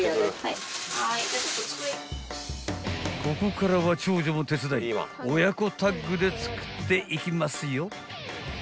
［ここからは長女も手伝い親子タッグで作っていきますよ］